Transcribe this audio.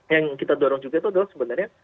yang kita dorong juga itu adalah sebenarnya